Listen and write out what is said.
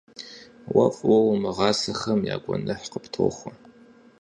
Уэ фӏыуэ умыгъэсахэм я гуэныхь къыптохуэ.